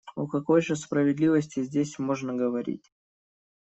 О какой же справедливости здесь можно говорить?